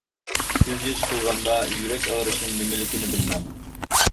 كۆز يېشى قىلغاندا، يۈرەك ئاغرىشنىڭ نېمىلىكىنى بىلمەڭ.